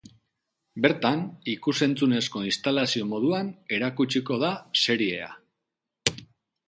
Bertan, ikus-entzunezko instalazio moduan erakutsiko da seriea.